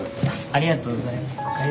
ありがとうございます。